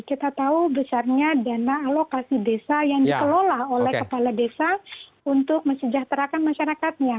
kita tahu besarnya dana alokasi desa yang dikelola oleh kepala desa untuk mesejahterakan masyarakatnya